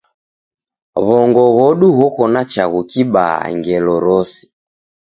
W'ongo ghodu ghoko na chaghu klibaa ngelo rose.